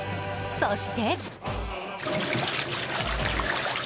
そして。